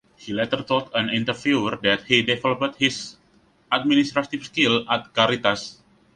He later told an interviewer that he developed his administrative skills at Caritas.